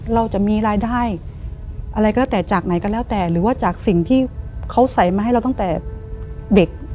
เราจะมีรายได้อะไรก็แล้วแต่จากไหนก็แล้วแต่หรือว่าจากสิ่งที่เขาใส่มาให้เราตั้งแต่เด็ก